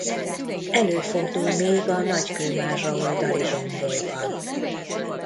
Előfordul még a Nagykőmázsa-oldali-zsombolyban.